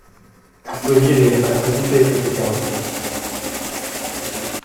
Faut dire, il est pas trop loupé, côté carrosserie.